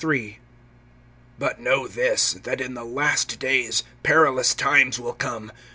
BUT know this, that in the last days perilous times will come.